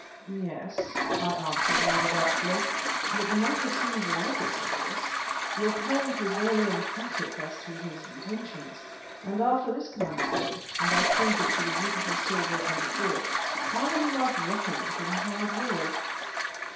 "Yes," I answered rather doubtfully, "but the matter seems a little serious. Your parent was very emphatic as to his intentions, and after this kind of thing," and I pointed to the beautiful silver and the port, "how will you like roughing it in a hard world?"